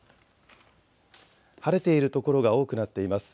晴れている所が多くなっています。